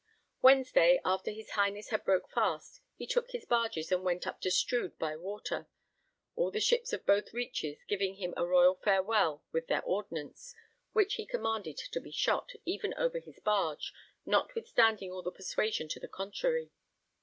Wednesday, after his Highness had broke fast, he took his barges and went up to Strood by water, all the ships of both reaches giving him a royal farewell with their ordnance, which he commanded to be shot, even over his barge, notwithstanding all the persuasion to the contrary.